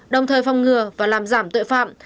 đồng thời phòng ngừa và làm giảm tội phạm